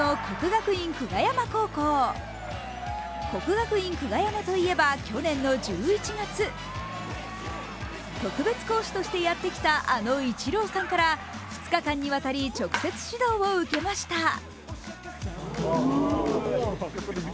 国学院久我山といえば去年の１１月、特別講師としてやってきたあのイチローさんから２日間にわたり直接指導を受けました。